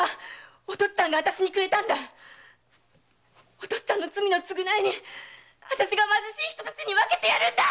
お父っつぁんの罪の償いに私が貧しい人達に分けてやるんだっ‼